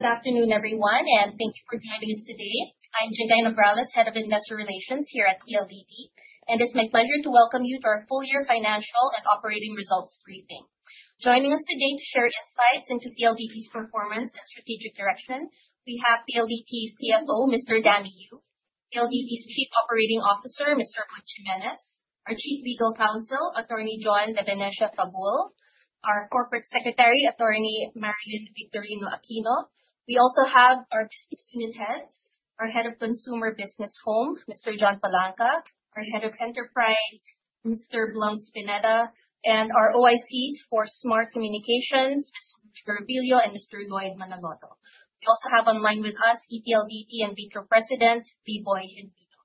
Good afternoon, everyone, and thank you for joining us today. I'm Jinggay Nograles, Head of Investor Relations here at PLDT, and it's my pleasure to welcome you to our full year financial and operating results briefing. Joining us today to share insights into PLDT's performance and strategic direction, we have PLDT's CFO, Mr. Danny Yu; PLDT's Chief Operating Officer, Mr. Manny Jimenez; our Chief Legal Counsel, Attorney Joan De Venecia-Fabul; our Corporate Secretary, Attorney Marilyn Victorio-Aquino. We also have our business unit heads, our Head of Consumer Business - Home, Mr. John Palanca, our Head of Enterprise, Mr. Blums Pineda, and our OICs for Smart Communications, Mr. Marjorie Garrovillo and Mr. Lloyd Manaloto. We also have online with us, ePLDT and VITRO President, Viboy Genuino.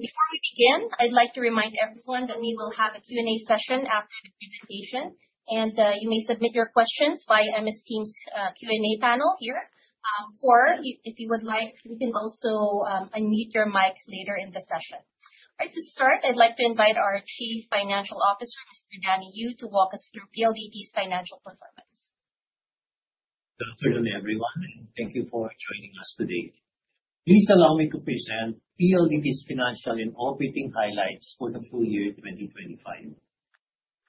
Before we begin, I'd like to remind everyone that we will have a Q&A session after the presentation. You may submit your questions via MS Team's Q&A panel here. Or if you would like, you can also unmute your mic later in the session. All right, to start, I'd like to invite our Chief Financial Officer, Mr. Danny Yu, to walk us through PLDT's financial performance. Good afternoon, everyone, and thank you for joining us today. Please allow me to present PLDT's financial and operating highlights for the full year 2025.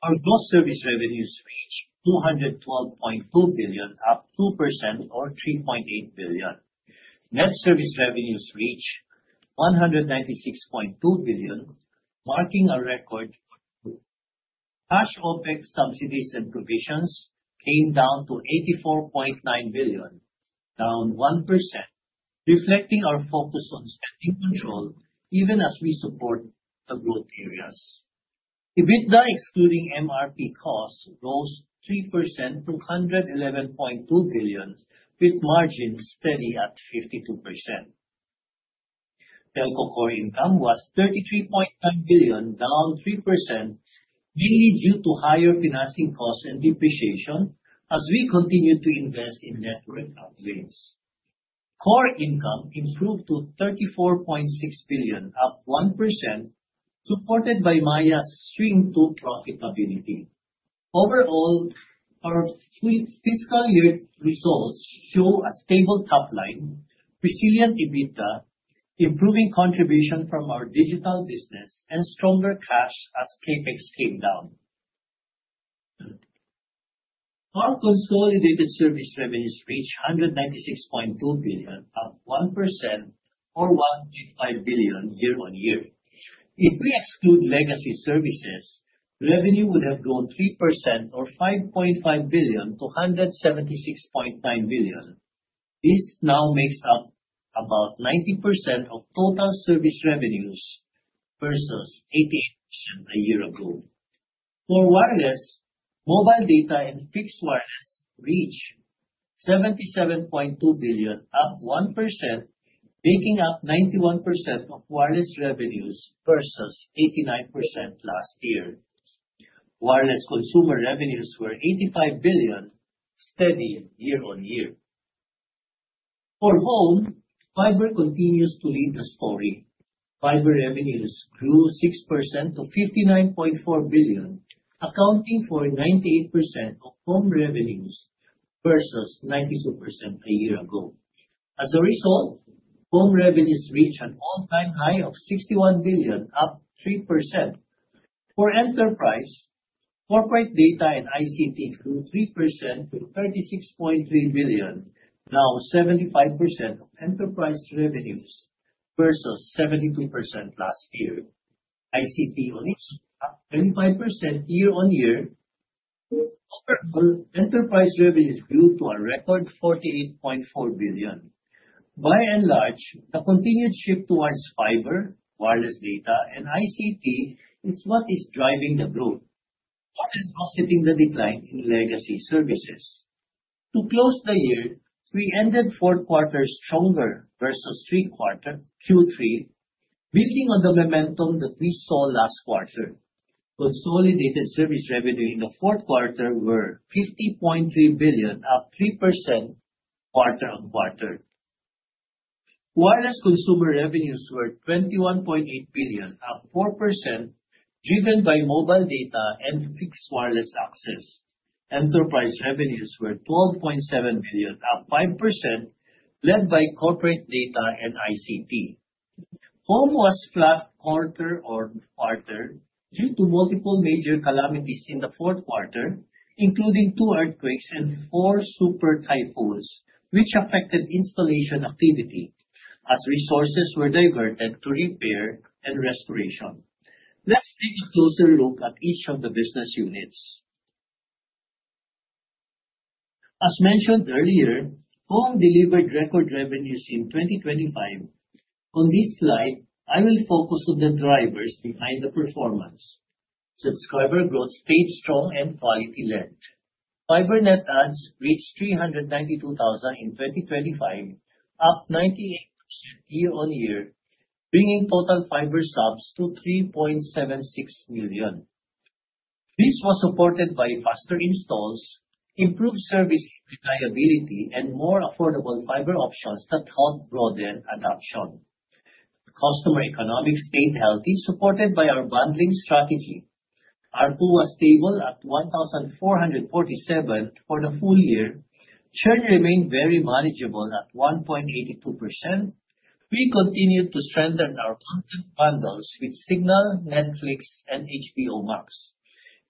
Our gross service revenues reached 212.2 billion, up 2% or 3.8 billion. Net service revenues reached 196.2 billion, marking a record. Cash OPEX, subsidies, and provisions came down to 84.9 billion, down 1%, reflecting our focus on spending control even as we support the growth areas. EBITDA, excluding MRP costs, rose 3% to 111.2 billion, with margins steady at 52%. Telco core income was 33.9 billion, down 3%, mainly due to higher financing costs and depreciation as we continue to invest in network upgrades. Core income improved to 34.6 billion, up 1%, supported by Maya's swing to profitability. Overall, our fiscal year results show a stable top line, resilient EBITDA, improving contribution from our digital business, and stronger cash as CapEx came down. Our consolidated service revenues reached 196.2 billion, up 1% or 1.5 billion year-on-year. If we exclude legacy services, revenue would have grown 3% or 5.5 billion to 176.9 billion. This now makes up about 90% of total service revenues versus 88% a year ago. For wireless, mobile data and fixed wireless reached 77.2 billion, up 1%, making up 91% of wireless revenues versus 89% last year. Wireless consumer revenues were 85 billion, steady year-on-year. For Home, fiber continues to lead the story. Fiber revenues grew 6% to 59.4 billion, accounting for 98% of Home revenues versus 92% a year ago. As a result, Home revenues reached an all-time high of 61 billion, up 3%. For Enterprise, corporate data and ICT grew 3% to 36.3 billion, now 75% of Enterprise revenues versus 72% last year. ICT only up 25% year-on-year. Overall, Enterprise revenues grew to a record 48.4 billion. By and large, the continued shift towards fiber, wireless data, and ICT is what is driving the growth and offsetting the decline in legacy services. To close the year, we ended fourth quarter stronger versus three quarter, Q3, building on the momentum that we saw last quarter. Consolidated service revenue in the fourth quarter were 50.3 billion, up 3% quarter-on-quarter. Wireless consumer revenues were PHP 21.8 billion, up 4%, driven by mobile data and fixed wireless access. Enterprise revenues were 12.7 billion, up 5%, led by corporate data and ICT. Home was flat quarter-over-quarter due to multiple major calamities in the fourth quarter, including 2 earthquakes and 4 super typhoons, which affected installation activity as resources were diverted to repair and restoration. Let's take a closer look at each of the business units. As mentioned earlier, Home delivered record revenues in 2025. On this slide, I will focus on the drivers behind the performance. Subscriber growth stayed strong and quality led. Fiber net adds reached 392,000 in 2025, up 98% year-on-year, bringing total fiber subs to 3.76 million. This was supported by faster installs, improved service reliability, and more affordable fiber options that helped broaden adoption. Customer economics stayed healthy, supported by our bundling strategy. ARPU was stable at 1,447 for the full year. Churn remained very manageable at 1.82%. We continued to strengthen our content bundles with Cignal, Netflix, and HBO Max.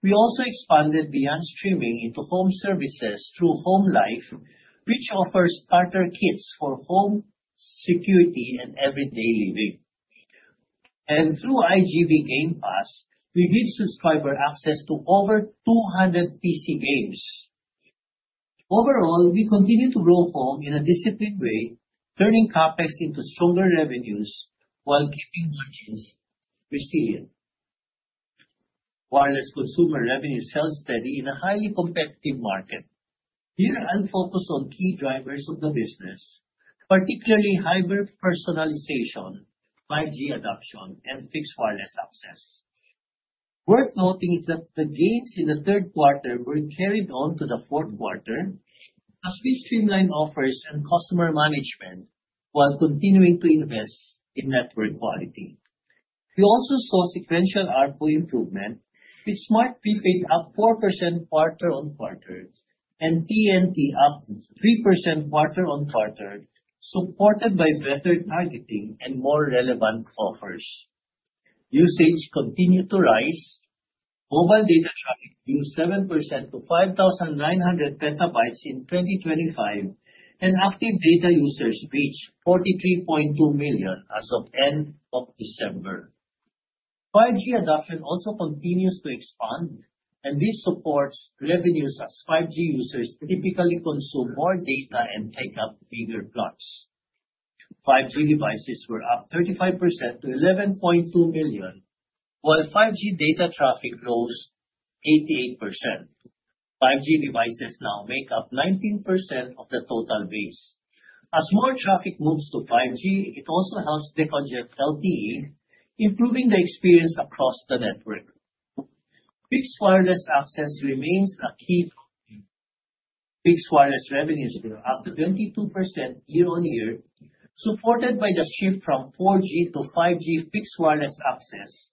We also expanded beyond streaming into home services through HomeLife, which offers starter kits for home security and everyday living. Through IGV Game Pass, we give subscriber access to over 200 PC games. Overall, we continue to grow home in a disciplined way, turning CapEx into stronger revenues while keeping margins resilient. Wireless consumer revenue held steady in a highly competitive market. Here, I'll focus on key drivers of the business, particularly hyper-personalization, 5G adoption, and fixed wireless access. Worth noting is that the gains in the third quarter were carried on to the fourth quarter, as we streamlined offers and customer management while continuing to invest in network quality. We also saw sequential ARPU improvement, with Smart Prepaid up 4% quarter-on-quarter, and TNT up 3% quarter-on-quarter, supported by better targeting and more relevant offers. Usage continued to rise. Mobile data traffic grew 7% to 5,900 petabytes in 2025, and active data users reached 43.2 million as of end of December. 5G adoption also continues to expand, and this supports revenues as 5G users typically consume more data and take up bigger plans. 5G devices were up 35% to 11.2 million, while 5G data traffic rose 88%. 5G devices now make up 19% of the total base. As more traffic moves to 5G, it also helps decongest LTE, improving the experience across the network. Fixed wireless access remains a key. Fixed wireless revenues were up to 22% year-on-year, supported by the shift from 4G to 5G fixed wireless access,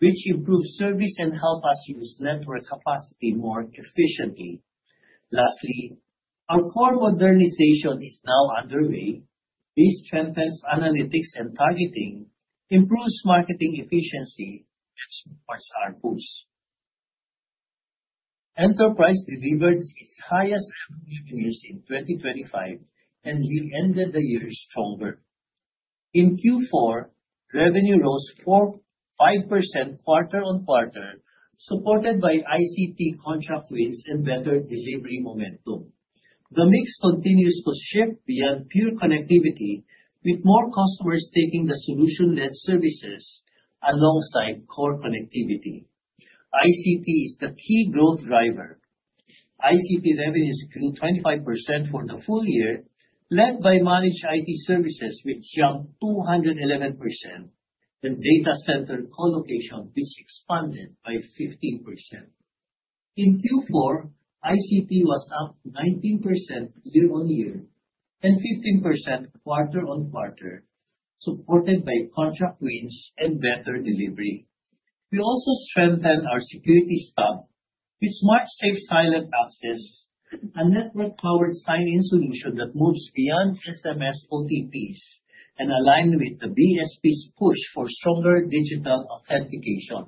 which improves service and help us use network capacity more efficiently. Lastly, our core modernization is now underway. This strengthens analytics and targeting, improves marketing efficiency, and supports ARPUs. Enterprise delivered its highest revenues in 2025, and we ended the year stronger. In Q4, revenue rose 5% quarter-on-quarter, supported by ICT contract wins and better delivery momentum. The mix continues to shift beyond pure connectivity, with more customers taking the solution-led services alongside core connectivity. ICT is the key growth driver. ICT revenues grew 25% for the full year, led by managed IT services, which jumped 211%, and data center colocation, which expanded by 15%. In Q4, ICT was up 19% year-on-year and 15% quarter-on-quarter, supported by contract wins and better delivery. We also strengthened our securities hub with SmartSafe SilentAccess, a network-powered sign-in solution that moves beyond SMS OTPs and aligned with the BSP's push for stronger digital authentication.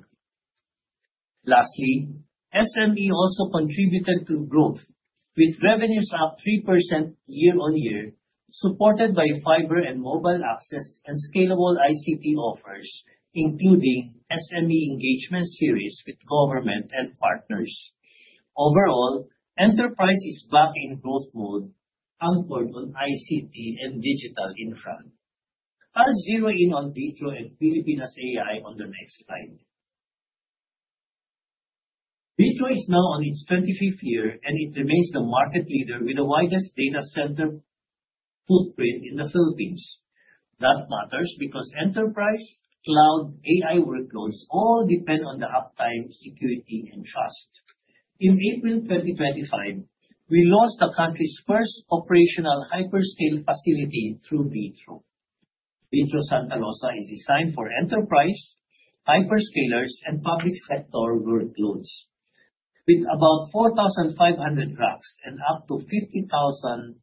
Lastly, SME also contributed to growth, with revenues up 3% year-on-year, supported by fiber and mobile access and scalable ICT offers, including SME engagement series with government and partners. Overall, enterprise is back in growth mode, anchored on ICT and digital infra. I'll zero in on VITRO and Pilipinas AI on the next slide. VITRO is now on its 25th year. It remains the market leader with the widest data center footprint in the Philippines. That matters because enterprise, cloud, AI workloads all depend on the uptime, security, and trust. In April 2025, we launched the country's first operational hyperscale facility through VITRO. VITRO Santa Rosa is designed for enterprise, hyperscalers, and public sector workloads. With about 4,500 racks and up to 50,000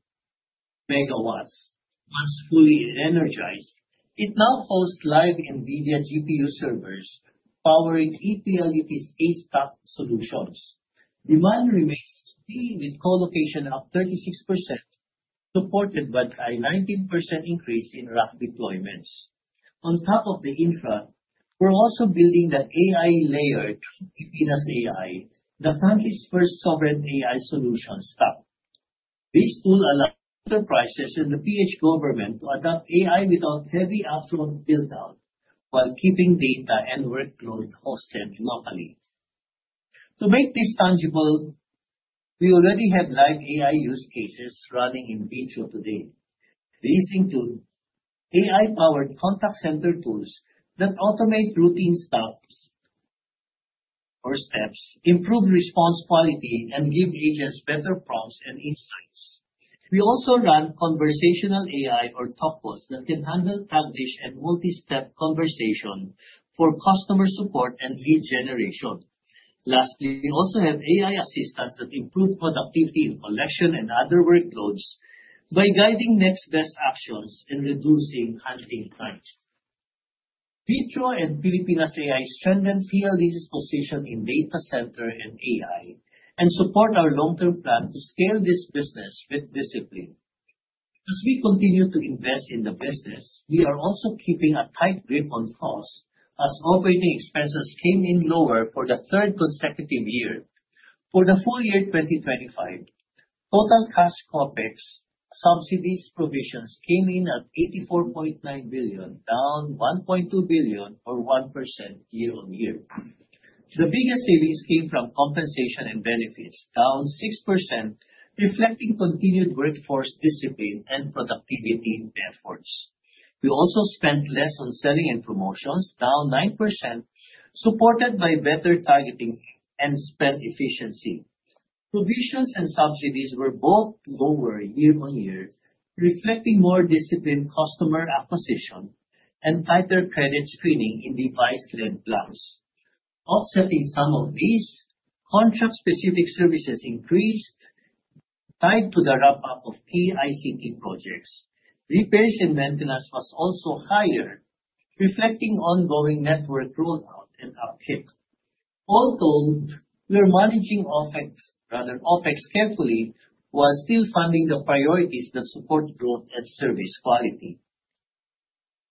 megawatts, once fully energized, it now hosts live NVIDIA GPU servers powering PLDT's ASTAP solutions. Demand remains steady, with colocation up 36%, supported by a 19% increase in rack deployments. On top of the infra, we're also building the AI layer through Pilipinas AI, the country's first sovereign AI solution stack. This tool allows enterprises and the PH government to adopt AI without heavy upfront build-out while keeping data and workload hosted locally. To make this tangible, we already have live AI use cases running in VITRO today. These include AI-powered contact center tools that automate routine tasks, first steps, improve response quality, and give agents better prompts and insights. We also run conversational AI or Talkbots that can handle complex and multi-step conversation for customer support and lead generation. Lastly, we also have AI assistants that improve productivity in collection and other workloads by guiding next best actions and reducing handling time. VITRO and Pilipinas AI strengthen PLDT's position in data center and AI, support our long-term plan to scale this business with discipline. As we continue to invest in the business, we are also keeping a tight grip on cost, as OPEX came in lower for the third consecutive year. For the full year 2025, total cash OPEX, subsidies, provisions came in at 84.9 billion, down 1.2 billion or 1% year-on-year. The biggest savings came from compensation and benefits, down 6%, reflecting continued workforce discipline and productivity efforts. We also spent less on selling and promotions, down 9%, supported by better targeting and spend efficiency. Provisions and subsidies were both lower year-on-year, reflecting more disciplined customer acquisition and tighter credit screening in device lend plans. Offsetting some of these, contract specific services increased, tied to the wrap-up of key ICT projects. Repairs and maintenance was also higher, reflecting ongoing network rollout and upkeep. All told, we are managing OPEX, rather OPEX carefully, while still funding the priorities that support growth and service quality.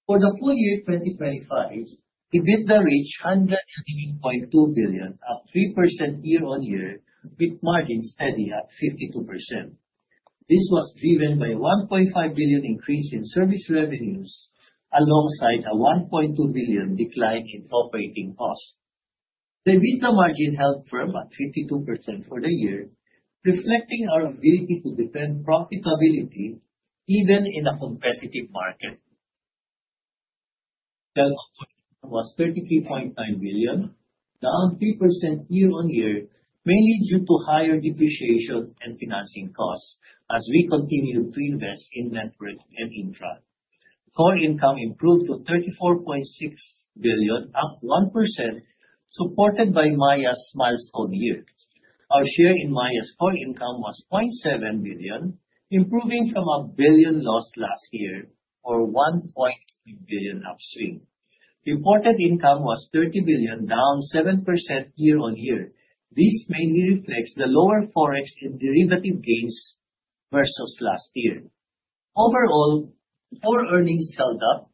For the full year 2025, EBITDA reached 188.2 billion, up 3% year-on-year, with margin steady at 52%. This was driven by a 1.5 billion increase in service revenues, alongside a 1.2 billion decline in operating costs. The EBITDA margin held firm at 52% for the year, reflecting our ability to defend profitability even in a competitive market. Was 33.9 billion, down 3% year-on-year, mainly due to higher depreciation and financing costs as we continue to invest in network and infra. Core income improved to 34.6 billion, up 1%, supported by Maya's milestone year. Our share in Maya's core income was 0.7 billion, improving from a 1 billion loss last year, or 1 billion upswing. Important income was 30 billion, down 7% year-on-year. This mainly reflects the lower Forex and derivative gains versus last year. Overall, core earnings held up,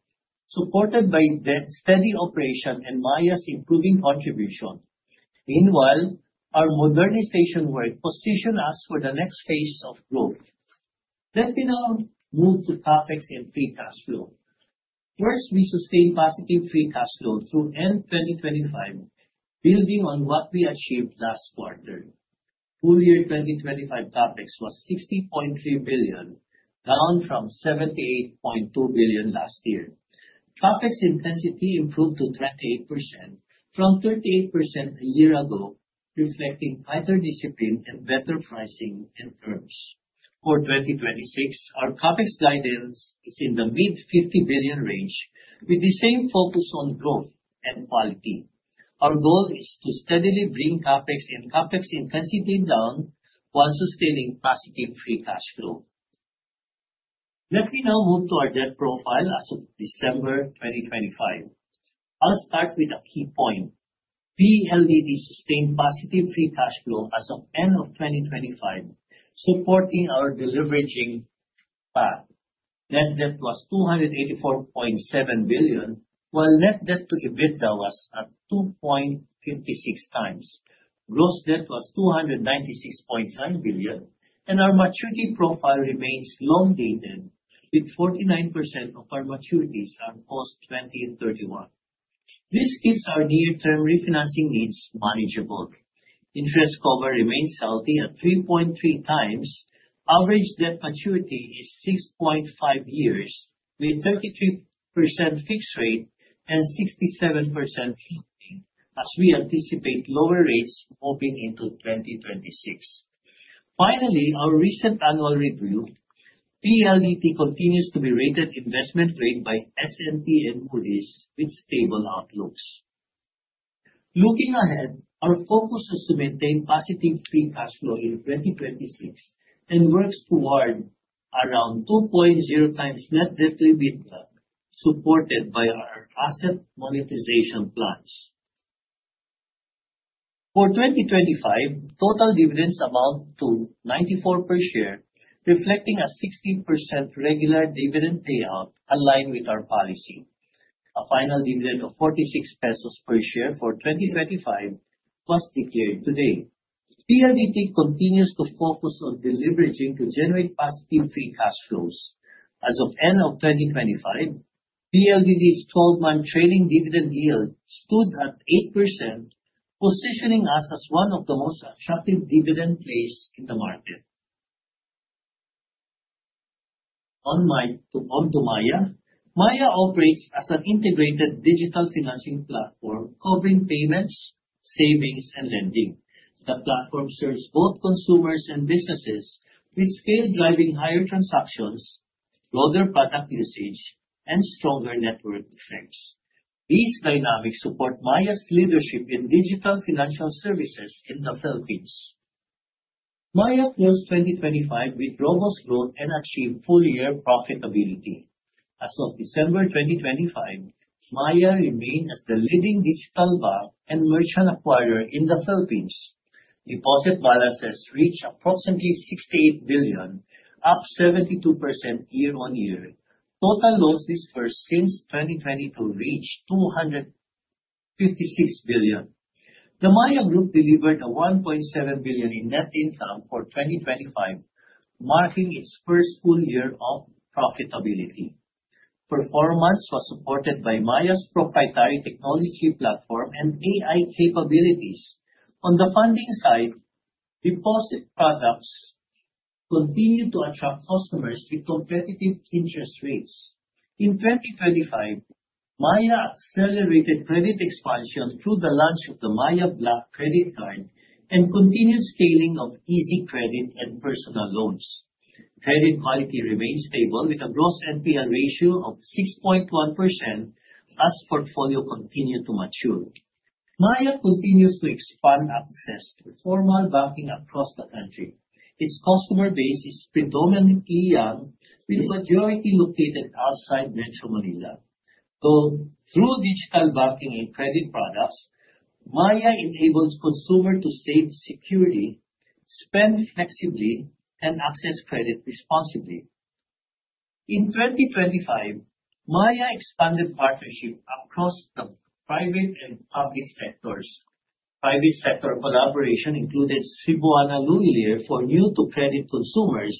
supported by the steady operation and Maya's improving contribution. Meanwhile, our modernization work position us for the next phase of growth. Let me now move to CapEx and free cash flow. First, we sustained positive free cash flow through end 2025, building on what we achieved last quarter. Full year 2025 CapEx was 60.3 billion, down from 78.2 billion last year. CapEx intensity improved to 38% from 38% a year ago, reflecting tighter discipline and better pricing and terms. For 2026, our CapEx guidance is in the mid 50 billion range, with the same focus on growth and quality. Our goal is to steadily bring CapEx and CapEx intensity down while sustaining positive free cash flow. Let me now move to our debt profile as of December 2025. I'll start with a key point. PLDT sustained positive free cash flow as of end of 2025, supporting our deleveraging path. Net debt was 284.7 billion, while net debt to EBITDA was at 2.56 times. Gross debt was 296.9 billion. Our maturity profile remains long dated, with 49% of our maturities are post 2031. This keeps our near-term refinancing needs manageable. Interest cover remains healthy at 3.3 times. Average debt maturity is 6.5 years, with 33% fixed rate and 67% hedging, as we anticipate lower rates opening into 2026. Finally, our recent annual review, PLDT continues to be rated investment grade by S&P and Moody's, with stable outlooks. Looking ahead, our focus is to maintain positive free cash flow in 2026 and works toward around 2.0x net debt to EBITDA, supported by our asset monetization plans. For 2025, total dividends amount to 94 per share, reflecting a 16% regular dividend payout aligned with our policy. A final dividend of 46 pesos per share for 2025 was declared today. PLDT continues to focus on deleveraging to generate positive free cash flows. As of end of 2025, PLDT's 12-month trading dividend yield stood at 8%, positioning us as one of the most attractive dividend plays in the market. on to Maya. Maya operates as an integrated digital financing platform covering payments, savings, and lending. The platform serves both consumers and businesses, with scale driving higher transactions, broader product usage, and stronger network effects. These dynamics support Maya's leadership in digital financial services in the Philippines. Maya closed 2025 with robust growth and achieved full-year profitability. As of December 2025, Maya remained as the leading digital bank and merchant acquirer in the Philippines. Deposit balances reached approximately 68 billion, up 72% year-on-year. Total loans disbursed since 2022 reached 256 billion. The Maya Group delivered 1.7 billion in net income for 2025, marking its first full year of profitability. Performance was supported by Maya's proprietary technology platform and AI capabilities. On the funding side, deposit products continued to attract customers with competitive interest rates. In 2025, Maya accelerated credit expansion through the launch of the Maya Black Credit Card and continued scaling of Easy Credit and personal loans. Credit quality remains stable, with a gross NPL ratio of 6.1% as portfolio continue to mature. Maya continues to expand access to formal banking across the country. Its customer base is predominantly young, with the majority located outside Metro Manila. Through digital banking and credit products, Maya enables consumer to save securely, spend flexibly, and access credit responsibly. In 2025, Maya expanded partnership across the private and public sectors. Private sector collaboration included Cebuana Lhuillier for new-to-credit consumers,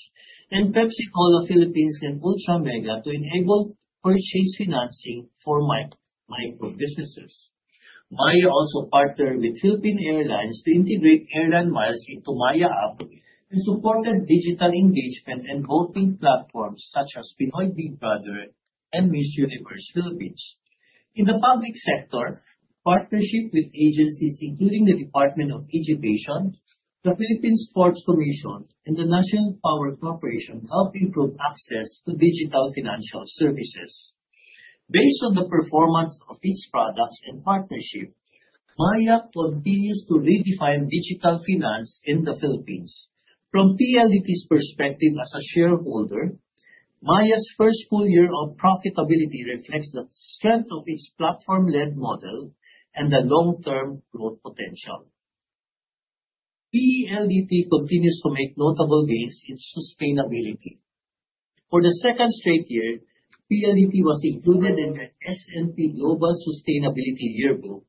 and Pepsi-Cola Products Philippines and Ultra Mega to enable purchase financing for micro businesses. Maya also partnered with Philippine Airlines to integrate airline miles into Maya app, and supported digital engagement and voting platforms such as Pinoy Big Brother and Miss Universe Philippines. In the public sector, partnership with agencies including the Department of Education, the Philippine Sports Commission, and the National Power Corporation helped improve access to digital financial services. Based on the performance of these products and partnership, Maya continues to redefine digital finance in the Philippines. From PLDT's perspective as a shareholder, Maya's first full year of profitability reflects the strength of its platform-led model and the long-term growth potential. PLDT continues to make notable gains in sustainability. For the second straight year, PLDT was included in the S&P Global Sustainability Yearbook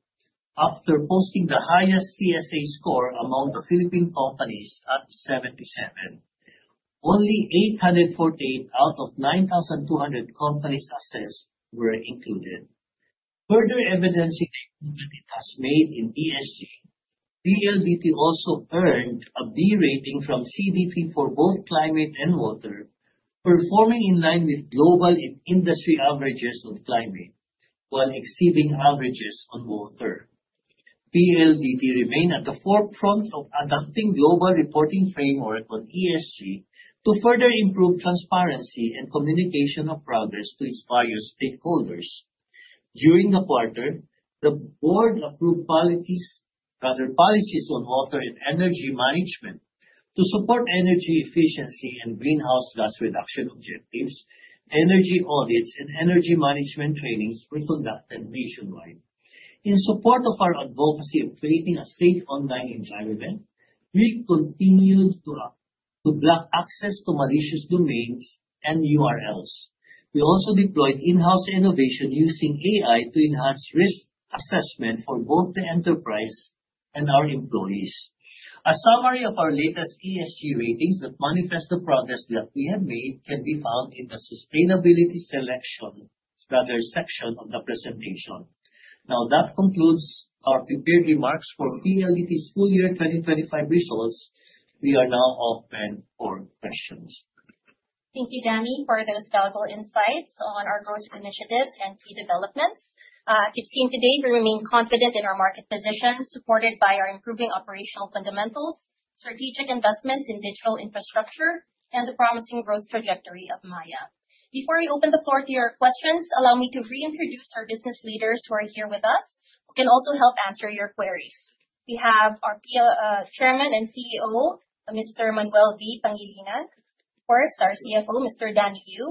after posting the highest CSA score among the Philippine companies at 77. Only 848 out of 9,200 companies assessed were included. Further evidencing it has made in ESG, PLDT also earned a B rating from CDP for both climate and water, performing in line with global and industry averages on climate, while exceeding averages on water. PLDT remain at the forefront of adopting global reporting framework on ESG to further improve transparency and communication of progress to its various stakeholders. During the quarter, the board approved policies on water and energy management. To support energy efficiency and greenhouse gas reduction objectives, energy audits and energy management trainings were conducted nationwide. In support of our advocacy of creating a safe online environment, we continue to block access to malicious domains and URLs. We also deployed in-house innovation using AI to enhance risk assessment for both the enterprise and our employees. A summary of our latest ESG ratings that manifest the progress that we have made can be found in the sustainability selection, rather, section of the presentation. That concludes our prepared remarks for PLDT's full year 2025 results. We are now open for questions. Thank you, Danny, for those valuable insights on our growth initiatives and key developments. As you've seen today, we remain confident in our market position, supported by our improving operational fundamentals, strategic investments in digital infrastructure, and the promising growth trajectory of Maya. Before we open the floor to your questions, allow me to reintroduce our business leaders who are here with us, who can also help answer your queries. We have our Chairman and CEO, Mr. Manuel V. Pangilinan. Of course, our CFO, Mr. Danny Yu.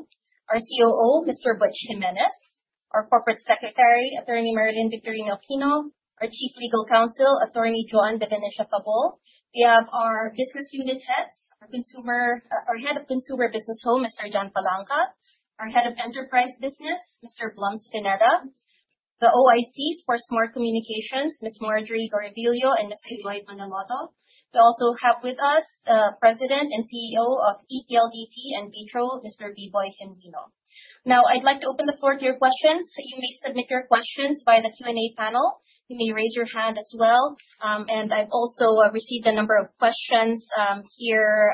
Our COO, Mr. Butch Jimenez, our Corporate Secretary, Attorney Marilyn Victorio-Aquino, our Chief Legal Counsel, Attorney Joan De Venecia-Fabul. We have our business unit heads, our Head of Consumer Business soul, Mr. John Palanca, our Head of Enterprise Business, Mr. Blums Pineda, the OICs for Smart Communications, Ms. Marjorie Garrovillo and Mr. Lloyd Manaloto. We also have with us, President and CEO of PLDT, Mr. Alfredo S. Panlilio. Now, I'd like to open the floor to your questions. You may submit your questions by the Q&A panel. You may raise your hand as well. I've also received a number of questions here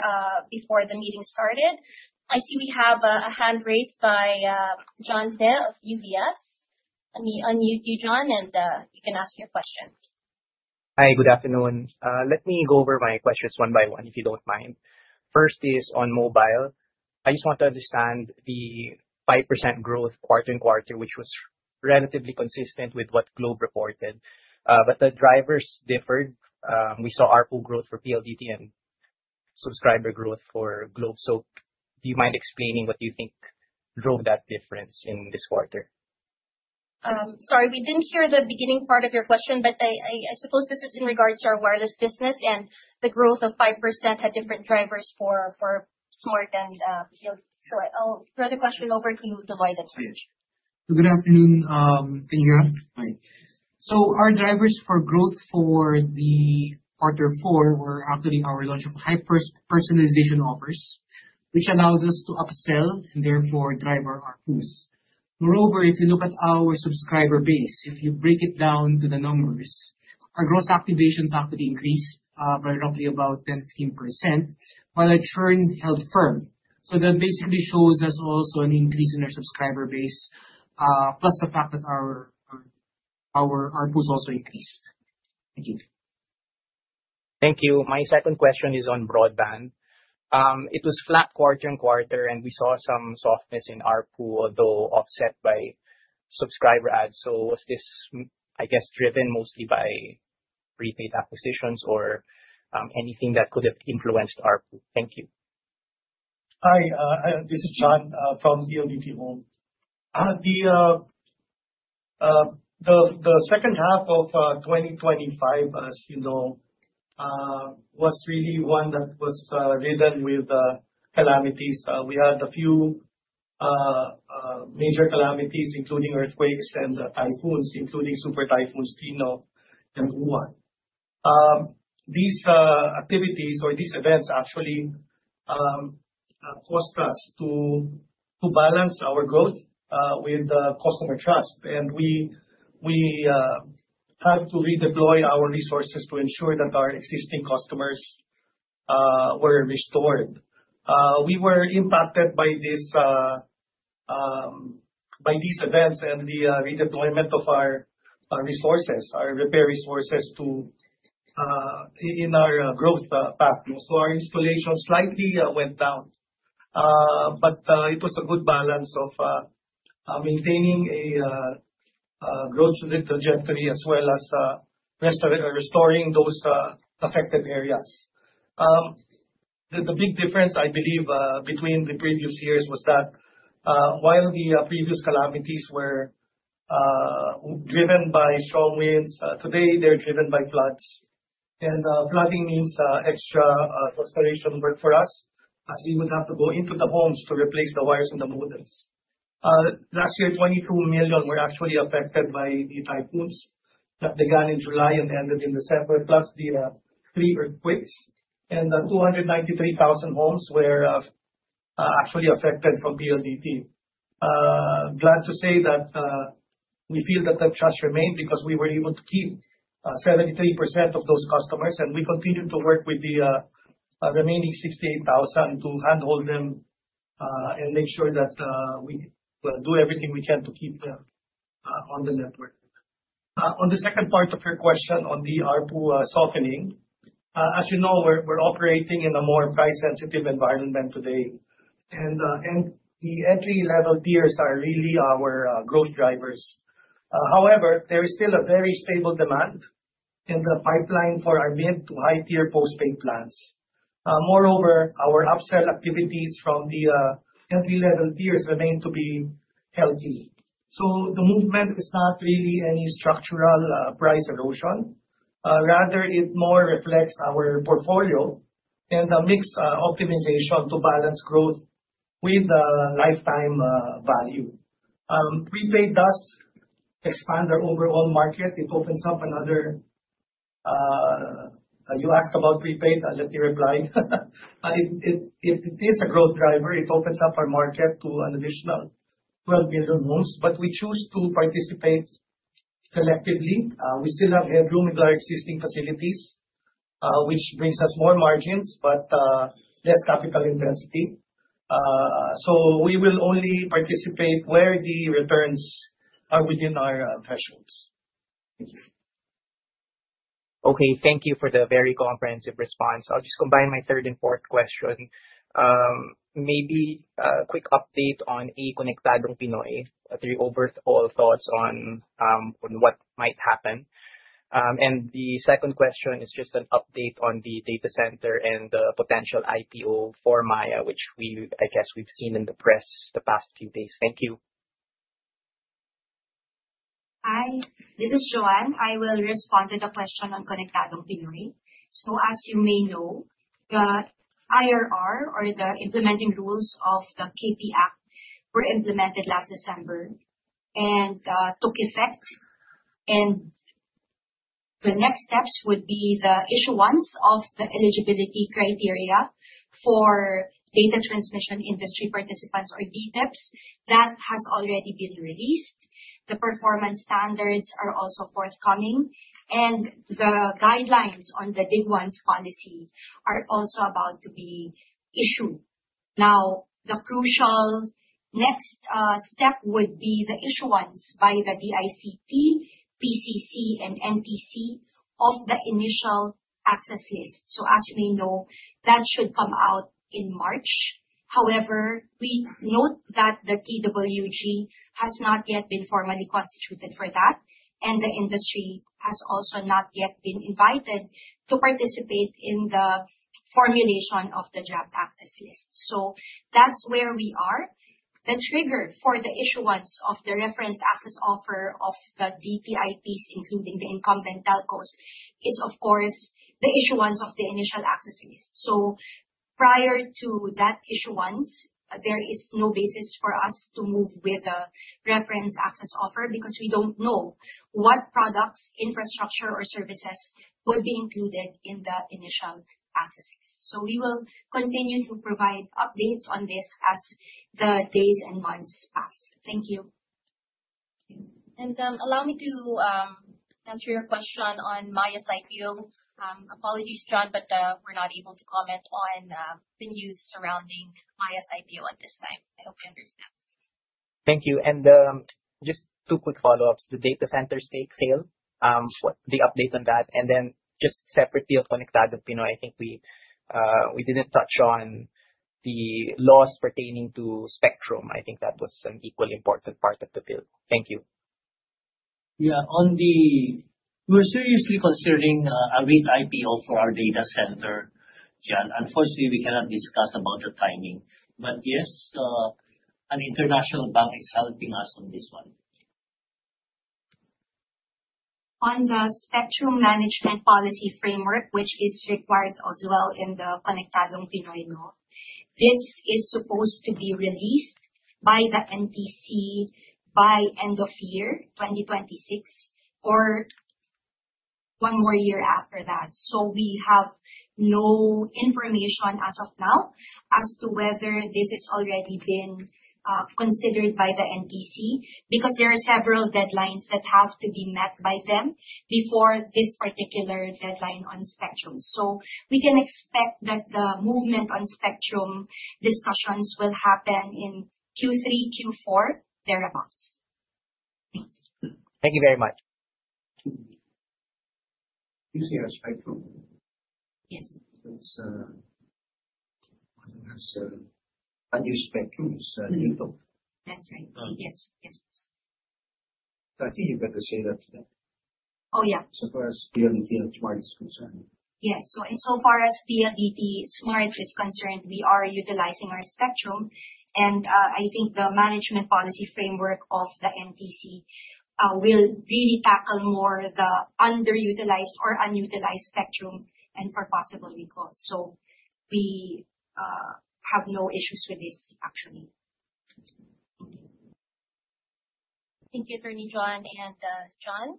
before the meeting started. I see we have a hand raised by John Te of UBS. Let me unmute you, John, and, you can ask your question. Hi, good afternoon. Let me go over my questions one by one, if you don't mind. First is on mobile. I just want to understand the 5% growth quarter and quarter, which was relatively consistent with what Globe reported. The drivers differed. We saw ARPU growth for PLDT and subscriber growth for Globe. Do you mind explaining what you think drove that difference in this quarter? Sorry, we didn't hear the beginning part of your question, but I suppose this is in regards to our wireless business and the growth of 5% had different drivers for Smart and, you know. I'll throw the question over to you, Dovido, thank you. Good afternoon. Can you hear us? Hi. Our drivers for growth for the Quarter Four were actually our launch of hyper-personalization offers, which allowed us to upsell and therefore drive our ARPUs. Moreover, if you look at our subscriber base, if you break it down to the numbers, our gross activations actually increased by roughly about 10%-15%, while our churn held firm. That basically shows us also an increase in our subscriber base plus the fact that our ARPU also increased. Thank you. Thank you. My second question is on broadband. It was flat quarter and quarter, and we saw some softness in ARPU, although offset by subscriber ads. Was this, I guess, driven mostly by prepaid acquisitions or anything that could have influenced ARPU? Thank you. Hi, this is John from PLDT Home. The second half of 2025, as you know, was really one that was ridden with calamities. We had a few major calamities, including earthquakes and typhoons, including Super Typhoon Sinlaku and Uwan. These activities or these events actually caused us to balance our growth with the customer trust. We had to redeploy our resources to ensure that our existing customers were restored. We were impacted by this by these events and the redeployment of our resources, our repair resources, to in our growth path. Our installation slightly went down. It was a good balance of maintaining a growth little gently, as well as restoring those affected areas. The big difference, I believe, between the previous years was that while the previous calamities were driven by strong winds, today they're driven by floods. Flooding means extra frustration work for us, as we would have to go into the homes to replace the wires and the modems. Last year, 22 million were actually affected by the typhoons that began in July and ended in December, plus the 3 earthquakes, and 293,000 homes were actually affected from PLDT. Glad to say that we feel that the trust remained, because we were able to keep 73% of those customers. We continued to work with the remaining 68,000 to handhold them and make sure that we will do everything we can to keep them on the network. On the second part of your question on the ARPU softening. As you know, we're operating in a more price-sensitive environment today. The entry-level tiers are really our growth drivers. There is still a very stable demand in the pipeline for our mid to high-tier postpaid plans. Our upsell activities from the entry-level tiers remain to be healthy. The movement is not really any structural price erosion, rather it more reflects our portfolio and the mix optimization to balance growth with lifetime value. Prepaid does expand our overall market. It opens up another. You asked about prepaid, I'll let you reply. It is a growth driver. It opens up our market to an additional 12 million homes. We choose to participate selectively. We still have headroom in our existing facilities, which brings us more margins, but less capital intensity. We will only participate where the returns are within our thresholds. Thank you. Okay, thank you for the very comprehensive response. I'll just combine my third and fourth question. Maybe a quick update on Konektadong Pinoy, your overall thoughts on what might happen. The second question is just an update on the data center and the potential IPO for Maya, which we've seen in the press the past few days. Thank you. Hi, this is Joanne. I will respond to the question on Konektadong Pinoy. As you may know, the IRR or the implementing rules of the KP Act were implemented last December and took effect. The next steps would be the issuance of the eligibility criteria for data transmission industry participants or DTIPs. That has already been released. The performance standards are also forthcoming, and the guidelines on the big ones policy are also about to be issued. The crucial next step would be the issuance by the DICT, PCC, and NTC of the initial access list. As we know, that should come out in March. However, we note that the TWG has not yet been formally constituted for that, and the industry has also not yet been invited to participate in the formulation of the draft access list. That's where we are. The trigger for the issuance of the Reference Access Offer of the DPIPs, including the incumbent telcos, is of course, the issuance of the Initial Access List. Prior to that issuance, there is no basis for us to move with the Reference Access Offer, because we don't know what products, infrastructure, or services would be included in the Initial Access List. We will continue to provide updates on this as the days and months pass. Thank you. Allow me to answer your question on Maya's IPO. Apologies, John, but we're not able to comment on the news surrounding Maya's IPO at this time. I hope you understand. Thank you. Just 2 quick follow-ups. The data center stake sale, what the update on that? Just separately, on Konektadong Pinoy, we didn't touch on the laws pertaining to spectrum. That was an equally important part of the bill. Thank you. We're seriously considering a late IPO for our data center, John. Unfortunately, we cannot discuss about the timing, but yes, an international bank is helping us on this one. On the spectrum management policy framework, which is required as well in the Konektadong Pinoy Act, this is supposed to be released by the NTC by end of year 2026, or one more year after that. We have no information as of now as to whether this has already been considered by the NTC, because there are several deadlines that have to be met by them before this particular deadline on spectrum. We can expect that the movement on spectrum discussions will happen in Q3, Q4, thereabouts. Thanks. Thank you very much. Using our spectrum? Yes. It's, unless, unused spectrum is, new though. That's right. Yes. Yes. I think you've got to say that. Oh, yeah. Far as PLDT Smart is concerned. Yes. In so far as PLDT Smart is concerned, we are utilizing our spectrum. I think the spectrum management policy framework of the NTC will really tackle more the underutilized or unutilized spectrum, and for possible recall. We have no issues with this, actually. Thank you, Bernie, John, and John.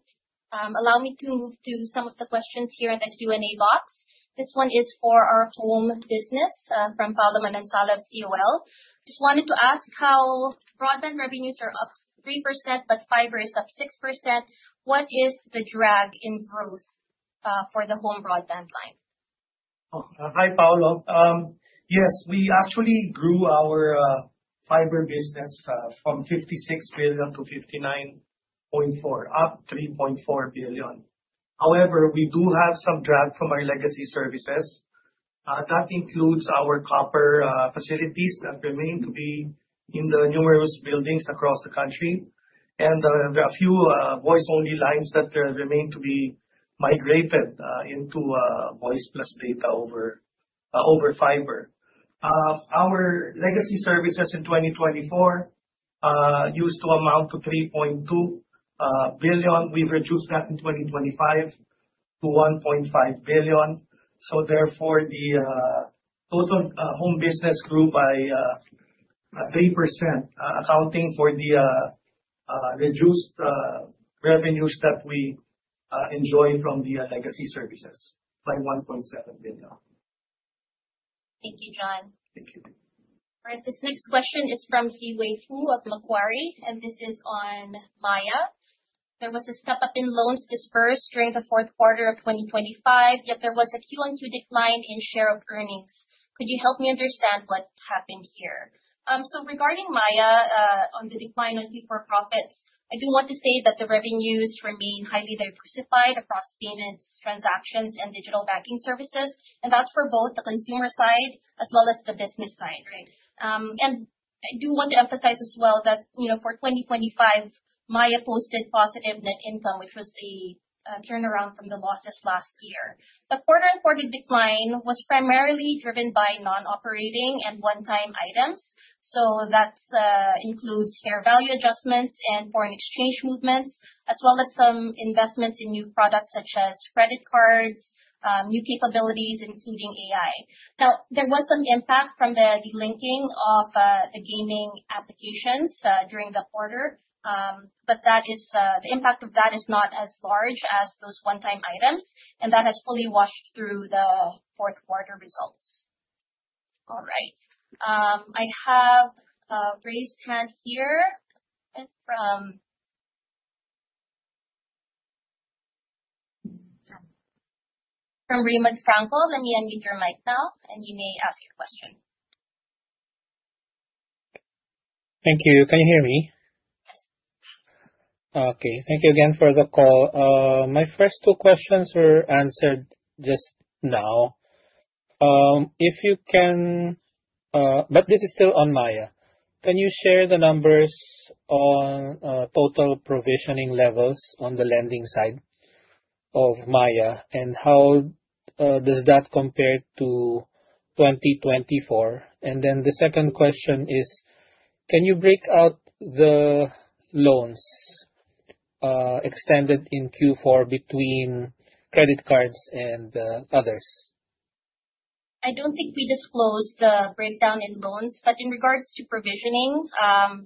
Allow me to move to some of the questions here in the Q&A box. This one is for our home business, from Paolo Manansala of COL. Just wanted to ask how broadband revenues are up 3%, but fiber is up 6%. What is the drag in growth for the home broadband line? Hi, Paolo. Yes, we actually grew our fiber business from 56 billion to 59.4 billion, up 3.4 billion. However, we do have some drag from our legacy services. That includes our copper facilities that remain to be in the numerous buildings across the country. There are a few voice-only lines that remain to be migrated into voice plus data over fiber. Our legacy services in 2024 used to amount to 3.2 billion. We've reduced that in 2025 to 1.5 billion. Therefore, the total home business grew by 3%, accounting for the reduced revenues that we enjoy from the legacy services by 1.7 billion. Thank you, John. Thank you. All right, this next question is from Ziwei Fu of Macquarie, and this is on Maya. There was a step up in loans disbursed during the fourth quarter of 2025, yet there was a Q on Q decline in share of earnings. Could you help me understand what happened here? Regarding Maya, on the decline on pre-profits, I do want to say that the revenues remain highly diversified across payments, transactions, and digital banking services, and that's for both the consumer side as well as the business side, right? I do want to emphasize as well that, you know, for 2025, Maya posted positive net income, which was a turnaround from the losses last year. The quarter-on-quarter decline was primarily driven by non-operating and one-time items, so that's includes fair value adjustments and foreign exchange movements, as well as some investments in new products such as credit cards, new capabilities, including AI. There was some impact from the delinking of the gaming applications during the quarter. That is the impact of that is not as large as those one-time items, and that has fully washed through the fourth quarter results. All right. I have a raised hand here From Rema Frankel. You unmute your mic now, and you may ask your question. Thank you. Can you hear me? Okay, thank you again for the call. My first two questions were answered just now. If you can, this is still on Maya. Can you share the numbers on total provisioning levels on the lending side of Maya? How does that compare to 2024? The second question is: Can you break out the loans extended in Q4 between credit cards and others? I don't think we disclosed the breakdown in loans, but in regards to provisioning,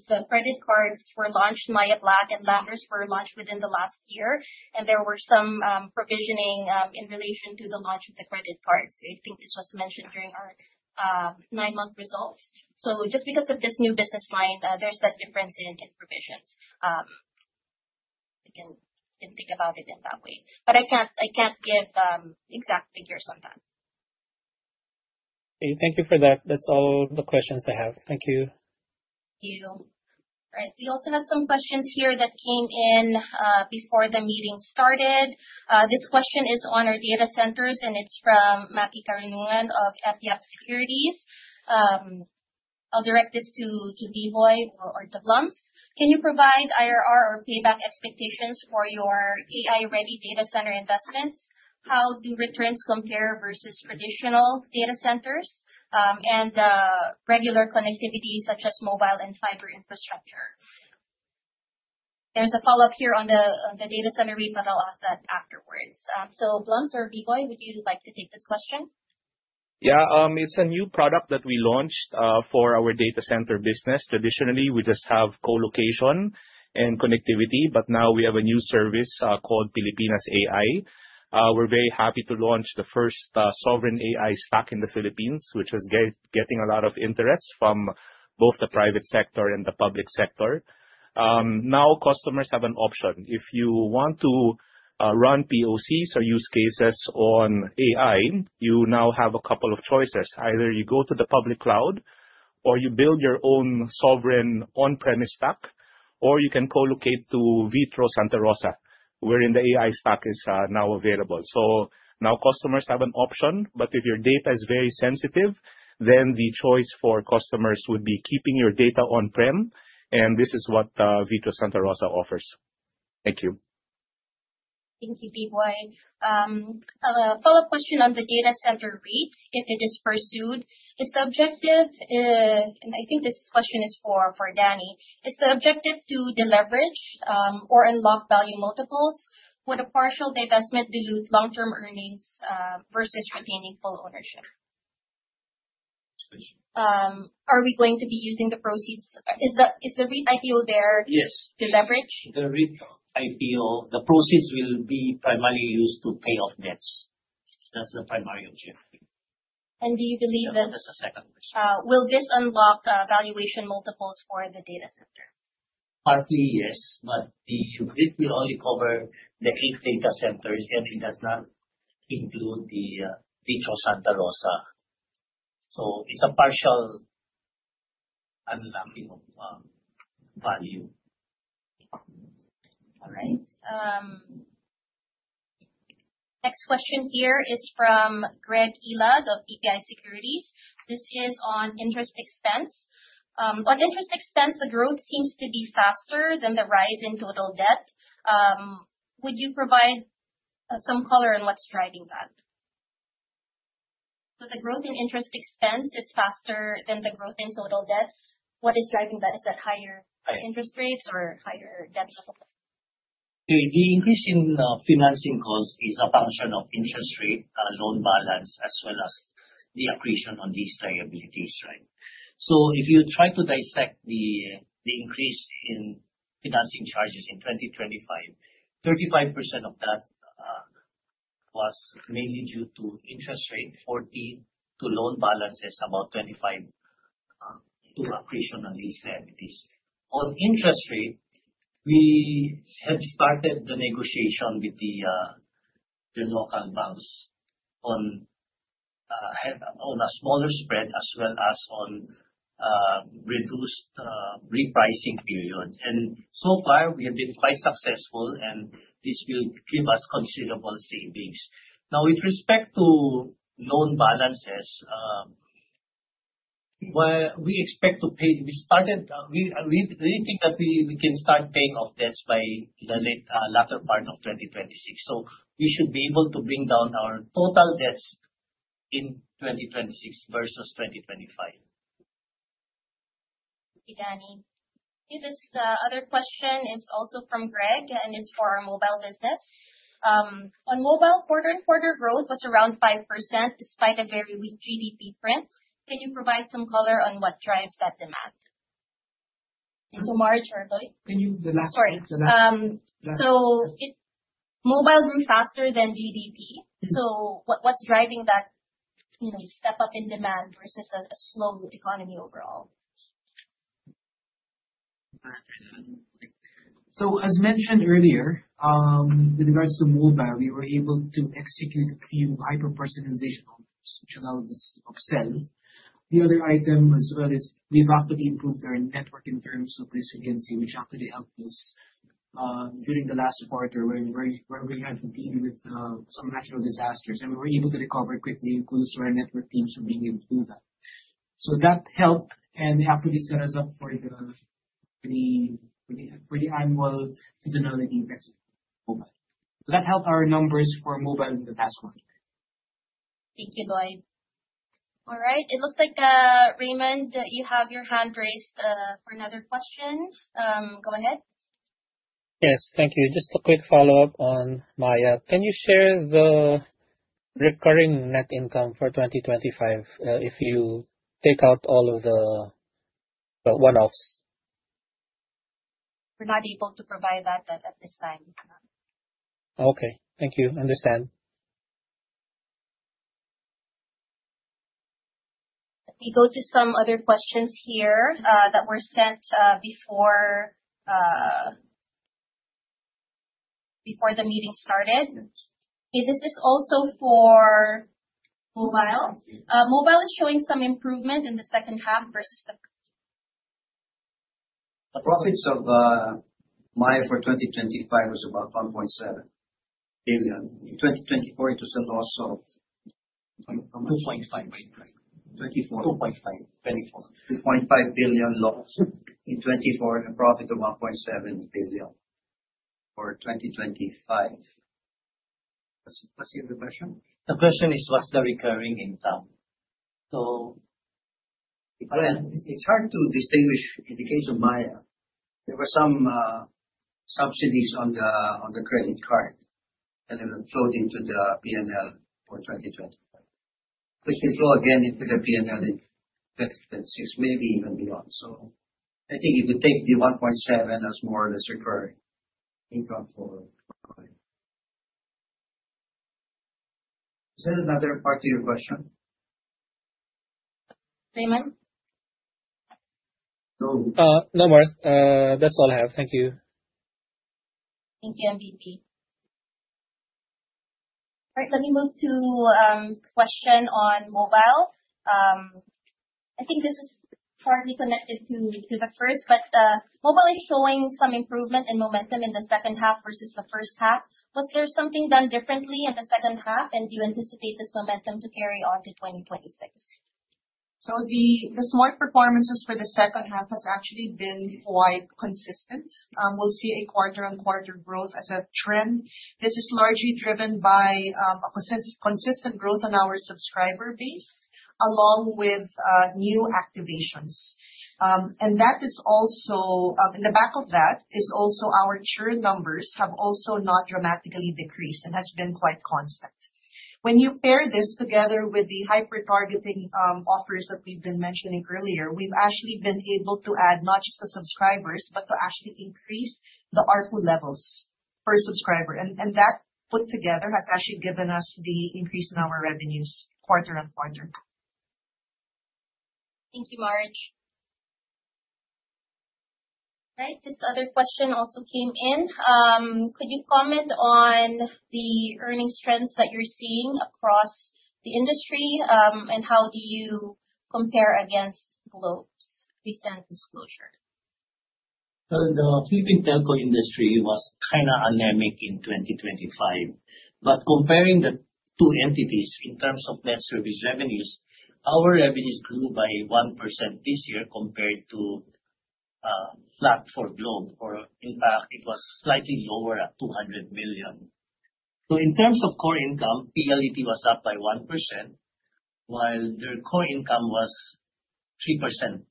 the credit cards were launched, Maya Black and Landers were launched within the last year, and there were some provisioning in relation to the launch of the credit cards. I think this was mentioned during our nine-month results. Just because of this new business line, there's that difference in provisions. You can think about it in that way, but I can't give exact figures on that. Okay, thank you for that. That's all the questions I have. Thank you. Thank you. All right, we also have some questions here that came in before the meeting started. This question is on our data centers, and it's from Matthew Carinuan of FPX Securities. I'll direct this to Biboy or to Blums. Can you provide IRR or payback expectations for your AI-ready data center investments? How do returns compare versus traditional data centers, and regular connectivity, such as mobile and fiber infrastructure? There's a follow-up here on the data center REIT, but I'll ask that afterwards. Blums or Biboy, would you like to take this question? It's a new product that we launched for our data center business. Traditionally, we just have co-location and connectivity. Now we have a new service called Pilipinas AI. We're very happy to launch the first sovereign AI stack in the Philippines, which is getting a lot of interest from both the private sector and the public sector. Customers have an option. If you want to run POCs or use cases on AI, you now have a couple of choices: either you go to the public cloud, or you build your own sovereign on-premise stack, or you can co-locate to VITRO Santa Rosa, wherein the AI stack is now available. Now customers have an option, but if your data is very sensitive, then the choice for customers would be keeping your data on-prem, and this is what VITRO Santa Rosa offers. Thank you. Thank you, Viboy. A follow-up question on the data center REIT, if it is pursued. I think this question is for Danny Yu. Is the objective to deleverage or unlock value multiples? Would a partial divestment dilute long-term earnings versus retaining full ownership? Excuse me. Are we going to be using the proceeds? Is the REIT IPO there? Yes. deleverage? The REIT IPO, the proceeds will be primarily used to pay off debts. That's the primary objective. Do you believe? That's the second question. Will this unlock the valuation multiples for the data center? Partly, yes. The REIT will only cover the 8 data centers, and it does not include the VITRO Santa Rosa. It's a partial unlocking of value. All right. Next question here is from Miguel Sevidal of BPI Securities. This is on interest expense. On interest expense, the growth seems to be faster than the rise in total debt. Would you provide some color on what's driving that? The growth in interest expense is faster than the growth in total debts. What is driving that? Right. interest rates or higher debt portfolio? The increase in financing costs is a function of interest rate, loan balance, as well as the accretion on these liabilities. If you try to dissect the increase in financing charges in 2025, 35% of that was mainly due to interest rate, 40% to loan balances, about 25% to accretion on these liabilities. On interest rate, we have started the negotiation with the local banks on a smaller spread, as well as on reduced repricing period. So far, we have been quite successful, and this will give us considerable savings. With respect to loan balances, we think that we can start paying off debts by the late latter part of 2026. We should be able to bring down our total debts in 2026 versus 2025. Thank you, Danny. Okay, this other question is also from Greg, and it's for our mobile business. On mobile, quarter and quarter growth was around 5%, despite a very weak GDP print. Can you provide some color on what drives that demand? To Mar or Lloyd. Can you. Sorry. The last. Mobile grew faster than GDP. Mm-hmm. What's driving that, you know, step up in demand versus a slow economy overall? As mentioned earlier, with regards to mobile, we were able to execute a few hyper-personalization offers, which allowed us to upsell. The other item as well is we've actually improved our network in terms of resiliency, which actually helped us during the last quarter, where we had to deal with some natural disasters, and we were able to recover quickly, includes our network teams for being able to do that. That helped, and it actually set us up for the annual seasonality in mobile. That helped our numbers for mobile in the past quarter. Thank you, Lloyd. All right. It looks like, Raymond, you have your hand raised for another question. Go ahead. Yes, thank you. Just a quick follow-up on Maya. Can you share the recurring net income for 2025, if you take out all of the one-offs? We're not able to provide that, at this time. Okay, thank you. Understand. Let me go to some other questions here, that were sent before the meeting started. Okay, this is also for Mobile. Mobile is showing some improvement in the second half versus. The profits of Maya for 2025 was about 1.7 billion. In 2024, it was a loss. 2.5. Twenty-four. 2.5, 24. 2.5 billion loss. In 2024, a profit of 1.7 billion for 2025. What's the other question? The question is, what's the recurring income? It, it's hard to distinguish in the case of Maya. There were some subsidies on the credit card, and it was flowed into the P&L for 2025, which can flow again into the P&L in 2026, maybe even beyond. I think if you take the 1.7, that's more or less recurring income for Maya. Is there another part to your question? Raymond? No. No worries. That's all I have. Thank you. Thank you, MVP. All right, let me move to, question on mobile. I think this is partly connected to the first, but, mobile is showing some improvement and momentum in the second half versus the first half. Was there something done differently in the second half, and do you anticipate this momentum to carry on to 2026? The Smart performances for the second half has actually been quite consistent. We'll see a quarter on quarter growth as a trend. This is largely driven by a consistent growth on our subscriber base, along with new activations. That is also, in the back of that, is also our churn numbers have also not dramatically decreased and has been quite constant. When you pair this together with the hyper-targeting offers that we've been mentioning earlier, we've actually been able to add not just the subscribers but to actually increase the ARPU levels per subscriber. That put together, has actually given us the increase in our revenues quarter on quarter. Thank you, Marge. This other question also came in. Could you comment on the earnings trends that you're seeing across the industry, and how do you compare against Globe's recent disclosure? The Philippine telco industry was kind of anemic in 2025. Comparing the two entities in terms of net service revenues, our revenues grew by 1% this year compared to flat for Globe, or in fact, it was slightly lower at 200 million. In terms of core income, PLDT was up by 1%, while their core income was 3%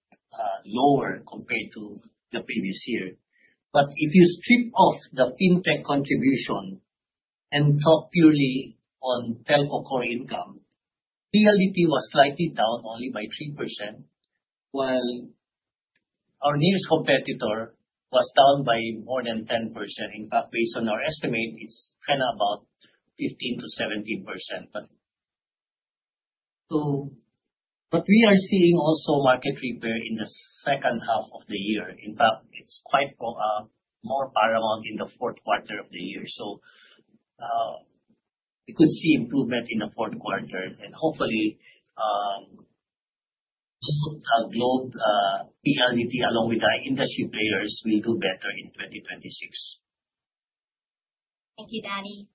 lower compared to the previous year. If you strip off the Fintech contribution and talk purely on telco core income, PLDT was slightly down only by 3%, while our nearest competitor was down by more than 10%. Based on our estimate, it's kind of about 15%-17%. We are seeing also market repair in the second half of the year. In fact, it's quite more paramount in the fourth quarter of the year. We could see improvement in the fourth quarter, and hopefully, Globe, PLDT, along with our industry players, will do better in 2026. Thank you, Danny.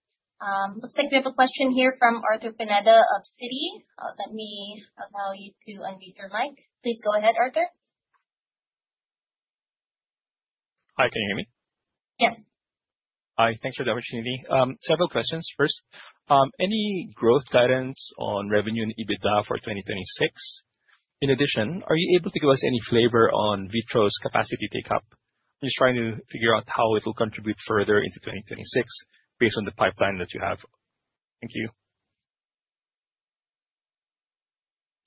Looks like we have a question here from Arthur Pineda of Citi. Let me allow you to unmute your mic. Please go ahead, Arthur. Hi, can you hear me? Yes. Hi, thanks for the opportunity. Several questions. First, any growth guidance on revenue and EBITDA for 2026? In addition, are you able to give us any flavor on VITRO's capacity takeup? Just trying to figure out how it'll contribute further into 2026 based on the pipeline that you have. Thank you.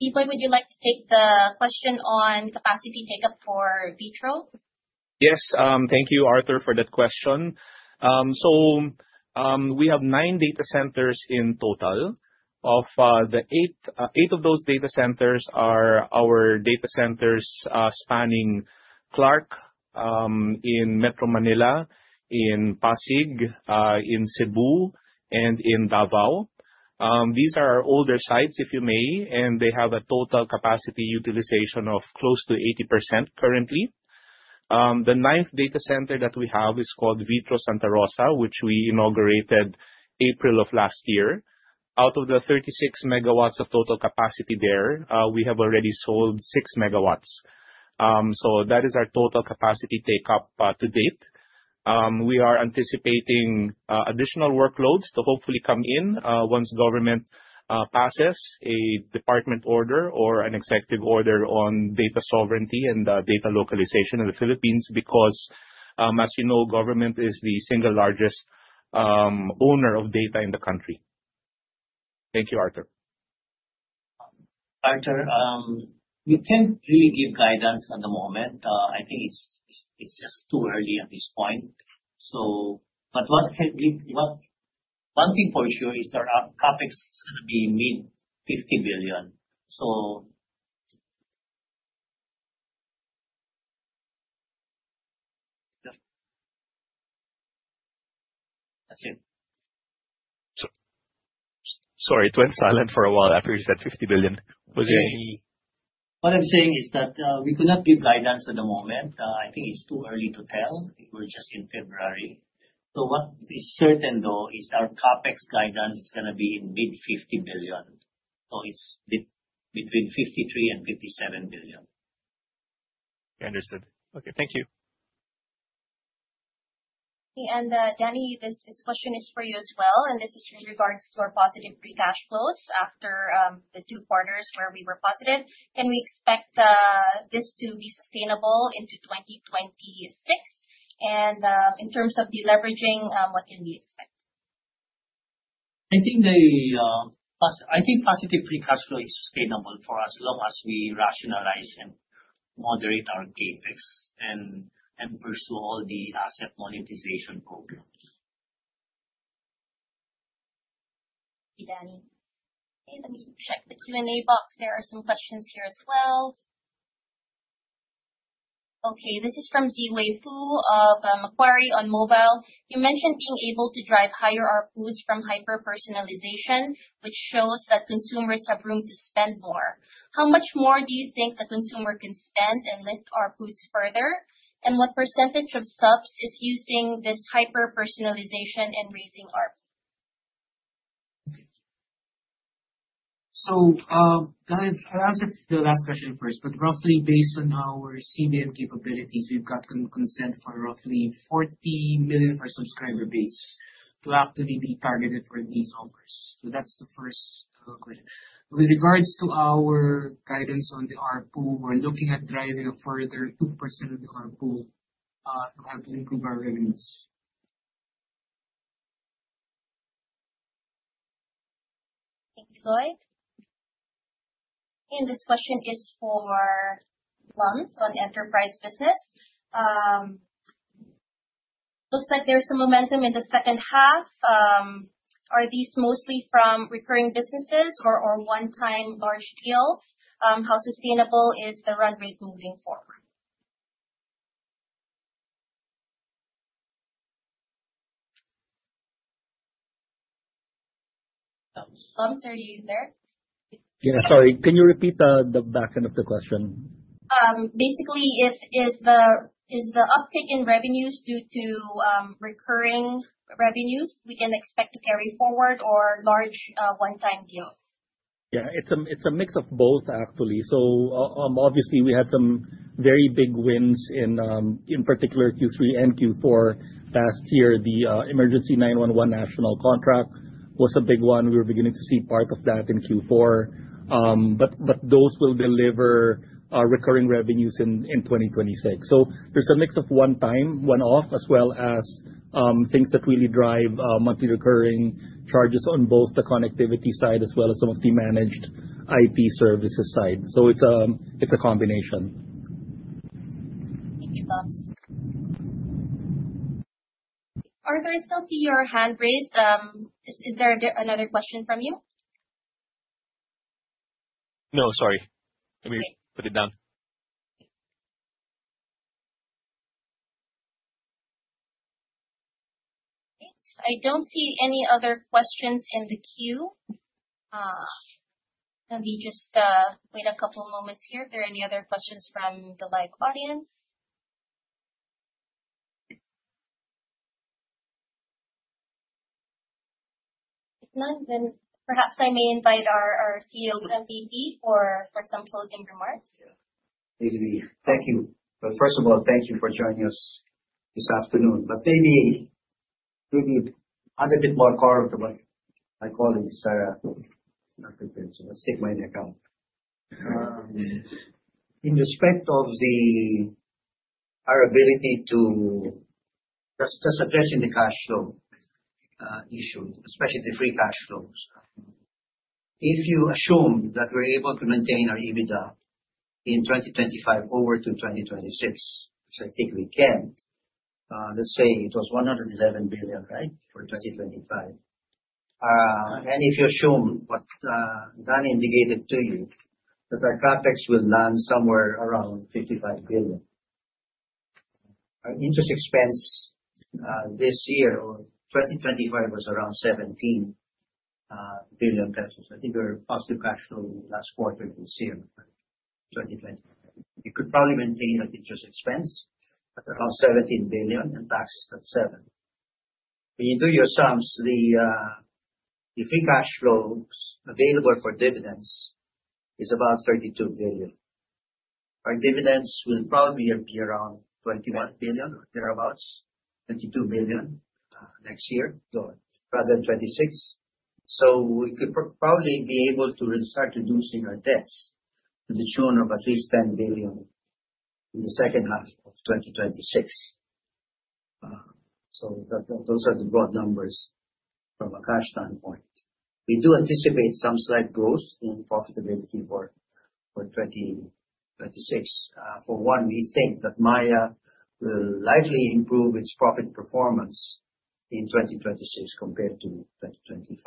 Hey, Lloyd, would you like to take the question on capacity take-up for VITRO? Thank you, Arthur, for that question. We have 9 data centers in total. 8 of those data centers are our data centers spanning Clark, in Metro Manila, in Pasig, in Cebu, and in Davao. These are older sites, if you may, and they have a total capacity utilization of close to 80% currently. The 9th data center that we have is called VITRO Santa Rosa, which we inaugurated April of last year. Out of the 36 megawatts of total capacity there, we have already sold 6 megawatts. That is our total capacity take-up to date. We are anticipating additional workloads to hopefully come in once government passes a department order or an executive order on data sovereignty and data localization in the Philippines, because, as you know, government is the single largest owner of data in the country. Thank you, Arthur. Arthur, we can't really give guidance at the moment. I think it's just too early at this point. What can we, one thing for sure is that our CapEx is gonna be mid PHP 50 billion. Yeah. That's it. sorry, it went silent for a while after you said 50 billion. Was there any- What I'm saying is that, we could not give guidance at the moment. I think it's too early to tell. We're just in February. What is certain, though, is our CapEx guidance is gonna be in mid 50 billion. It's between 53 billion and 57 billion. Understood. Okay, thank you. Danny, this question is for you as well, and this is with regards to our positive free cash flows after the 2 quarters where we were positive. Can we expect this to be sustainable into 2026? In terms of deleveraging, what can we expect? I think the positive free cash flow is sustainable for as long as we rationalize and moderate our CapEx and pursue all the asset monetization programs. Thank you, Danny. Okay, let me check the Q&A box. There are some questions here as well. Okay, this is from Ziwei Fu of Macquarie on mobile: "You mentioned being able to drive higher ARPU from hyper-personalization, which shows that consumers have room to spend more. How much more do you think the consumer can spend and lift ARPUs further? What percentage of subs is using this hyper-personalization and raising ARPU?" Thank you. Can I answer the last question first? Roughly based on our CDM capabilities, we've got consent for roughly 40 million of our subscriber base to actually be targeted for these offers. That's the first question. With regards to our guidance on the ARPU, we're looking at driving a further 2% of the ARPU to help improve our revenues. Thank you, Lloyd. This question is for Lums on the Enterprise Business. Looks like there's some momentum in the second half. Are these mostly from recurring businesses or one-time large deals? How sustainable is the run rate moving forward? Lums, are you there? Yeah, sorry. Can you repeat the back end of the question? Basically, is the uptick in revenues due to recurring revenues we can expect to carry forward or large one-time deals? Yeah, it's a, it's a mix of both, actually. Obviously, we had some very big wins in particular Q3 and Q4 last year. The emergency 911 national contract was a big one. We were beginning to see part of that in Q4. But those will deliver recurring revenues in 2026. There's a mix of one time, one-off, as well as things that really drive monthly recurring charges on both the connectivity side as well as some of the managed IT services side. It's a combination. Thank you, Blums. Arthur, I still see your hand raised. Is there another question from you? No, sorry. Okay. put it down. Okay. I don't see any other questions in the queue. Let me just wait a couple of moments here if there are any other questions from the live audience. If not, perhaps I may invite our CEO, MVP, for some closing remarks. Thank you. First of all, thank you for joining us this afternoon. Maybe I'll get a bit more current about my colleagues, let's take my neck out.... our ability to, just addressing the cash flow issue, especially the free cash flows. If you assume that we're able to maintain our EBITDA in 2025 over to 2026, which I think we can, let's say it was 111 billion, right, for 2025. And if you assume what Danny Yu indicated to you, that our CapEx will land somewhere around 55 billion. Our interest expense, this year or 2025, was around 17 billion pesos. I think we were positive cash flow last quarter of this year, 2025. You could probably maintain that interest expense at around 17 billion and taxes at 7 billion. When you do your sums, the free cash flows available for dividends is about 32 billion. Our dividends will probably be around 21 billion or thereabouts, 22 billion next year, rather than 26 billion. We could probably be able to start reducing our debts to the tune of at least 10 billion in the second half of 2026. Those are the broad numbers from a cash standpoint. We do anticipate some slight growth in profitability for 2026. For one, we think that Maya will likely improve its profit performance in 2026 compared to 2025.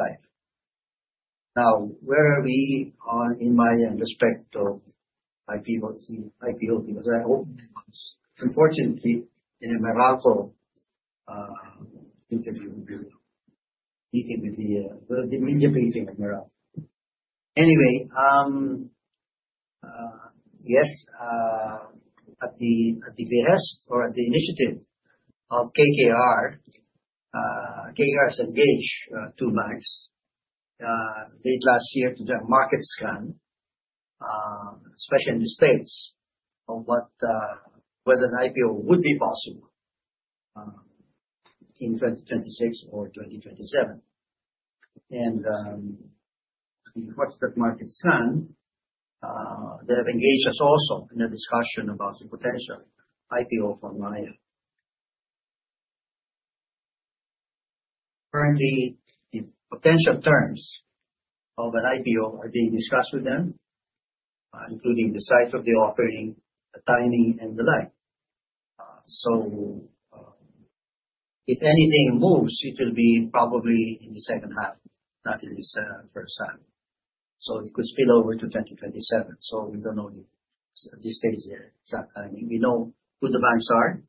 Now, where are we on, in my respect of IPO, because I hope... Unfortunately, in uncertain interview with you, he did with the, well, the media briefing in Virtual. Anyway, yes, at the request or at the initiative of KKR has engaged 2 banks late last year to do a market scan especially in the States, of what whether an IPO would be possible in 2026 or 2027. In regards to that market scan, they have engaged us also in a discussion about the potential IPO for Maya. Currently, the potential terms of an IPO are being discussed with them, including the size of the offering, the timing, and the like. If anything moves, it will be probably in the second half, not in this first half. It could spill over to 2027. We don't know the stage yet, exact timing. We know who the banks are.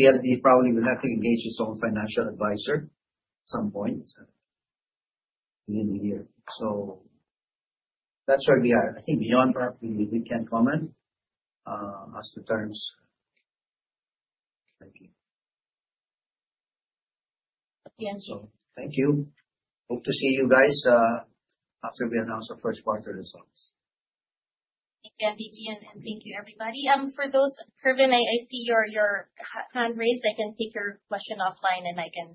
PLDT probably will have to engage its own financial advisor at some point in the year. That's where we are. I think beyond that, we can't comment as to terms. Thank you. Yeah. Thank you. Hope to see you guys, after we announce our first quarter results. Thank you, and thank you, everybody. For those... Kervin, I see your hand raised. I can take your question offline, and I can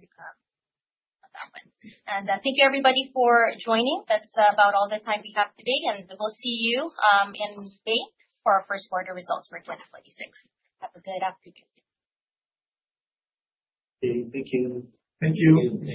on that one. Thank you, everybody, for joining. That's about all the time we have today, and we will see you in May for our first quarter results for 2026. Have a good afternoon. Thank you. Thank you. Thank you.